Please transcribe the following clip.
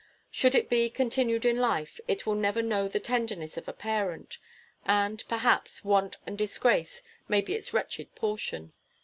Should it be continued in life, it will never know the tenderness of a parent; and, perhaps, want and disgrace may be its wretched portion.